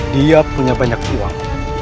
dia punya banyak uang